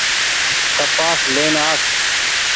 ڪپآس لين آس۔